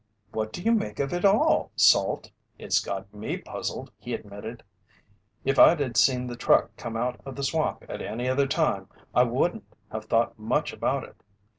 "What do you make of it all, Salt?" "It's got me puzzled," he admitted. "If I'd have seen the truck come out of the swamp at any other time I wouldn't have thought much about it.